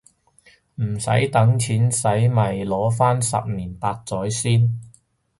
唔等錢洗咪擺返十年八載先